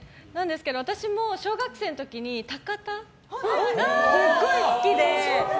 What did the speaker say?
私も小学生の時にすごい好きで。